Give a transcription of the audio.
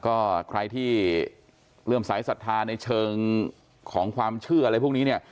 ก็ใครที่เริ่มสายศรัทธาในเชิงของความเชื่ออะไรพวกนี้เนี่ย